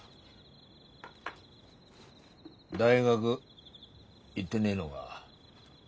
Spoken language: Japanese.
大学行ってねえのが？